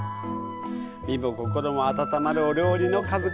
身も心も温まるお料理の数々。